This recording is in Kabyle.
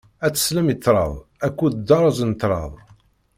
Ad teslem i ṭṭrad akked dderz n ṭṭrad.